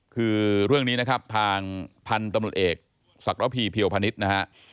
คือเรื่องนี้นะครับทางพันธุ์ตำรวจเอกศักระพีเพียวพนิษฐ์นะฮะ